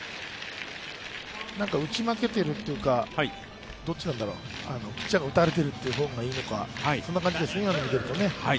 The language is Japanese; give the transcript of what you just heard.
打ち負けているっていうかどっちなんだろうピッチャーが打たれているという方がいいのか、そんな感じですよね、今のを見ていると。